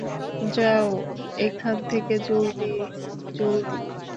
যাও এখান থেকে, জলদি, জলদি।